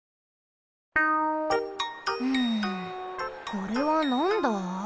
これはなんだ？